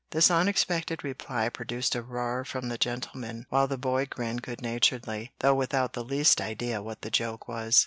This unexpected reply produced a roar from the gentlemen, while the boy grinned good naturedly, though without the least idea what the joke was.